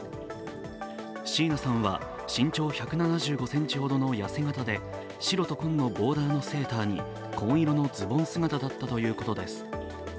椎名さんは身長１７５ｃｍほどの痩せ形で白と紺のボーダーのセーターに紺色のズボン姿だったということです。